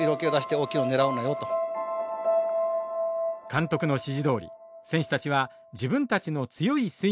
監督の指示どおり選手たちは自分たちの強いスイングに徹します。